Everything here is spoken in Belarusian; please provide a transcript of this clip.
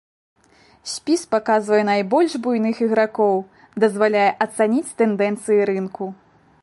Спіс паказвае найбольш буйных ігракоў, дазваляе ацаніць тэндэнцыі рынку.